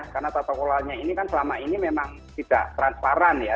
karena tata kelolaannya ini kan selama ini memang tidak transparan ya